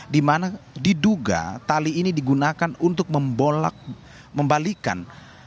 dimana diduga tali ini digunakan untuk membalikan